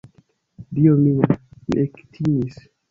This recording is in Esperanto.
Dio mia!, mi ektimis!